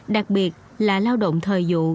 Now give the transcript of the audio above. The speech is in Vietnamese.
đặc biệt là lao động thời dụ